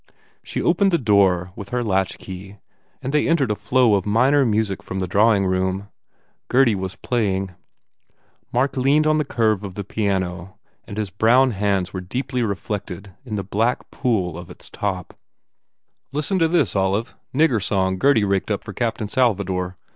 She opened the door with her latchkey and they entered a flow of minor music from the drawing room. Gurdy was play ing. Mark leaned on the curve of the piano and his brown hands were deeply reflected in the black pool of it s top. "Listen to this, Olive. Nigger song Gurdy raked up for Captain Salvador.